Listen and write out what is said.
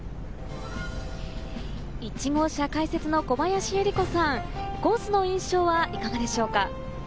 １号車解説の小林祐梨子さん、コースの印象はいかがですか？